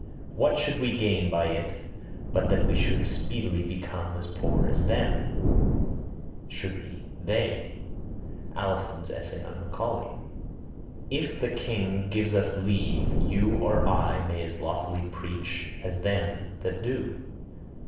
"What should we gain by it but that we should speedily become as poor as them." Should be they. Alison's Essay on Macaulay. "If the king gives us leave you or I may as lawfully preach, as them that do."